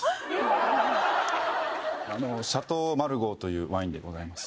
あのシャトー・マルゴーというワインでございます